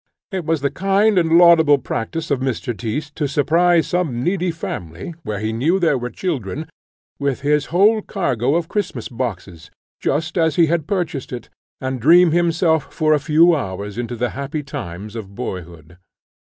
It was the kind and laudable practice of Mr. Tyss to surprise some needy family, where he knew there were children, with his whole cargo of Christmas boxes, just as he had purchased it, and dream himself for a few hours into the happy times of boyhood.